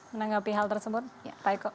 menanggapi hal tersebut pak eko